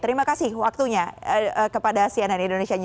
terima kasih waktunya kepada cnn indonesia newsro